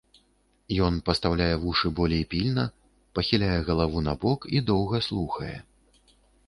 Ён пастаўляе вушы болей пільна, пахіляе галаву набок і доўга слухае.